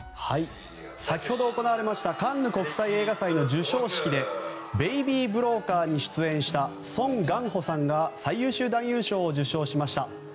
先ほど行われましたカンヌ国際映画祭の授賞式で「ベイビー・ブローカー」に出演したソン・ガンホさんが最優秀男優賞を受賞しました。